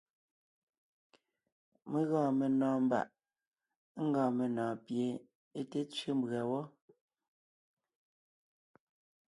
Mé gɔɔn menɔ̀ɔn mbàʼ ńgɔɔn menɔ̀ɔn pie é té tsẅé mbʉ̀a wɔ́.